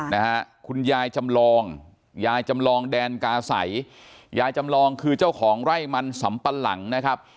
นะฮะคุณยายจำลองยายจำลองแดนกาศัยยายจำลองคือเจ้าของไร่มันสำปะหลังนะครับ